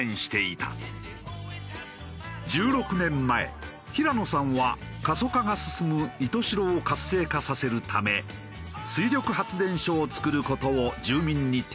１６年前平野さんは過疎化が進む石徹白を活性化させるため水力発電所を造る事を住民に提案。